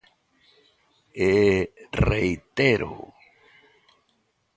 E reitéroo.